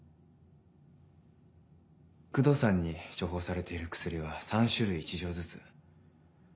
工藤さんに処方されている薬は３種類１錠ずつ。